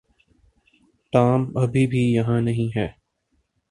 Tom ابھی بھی یہاں نہیں ہے۔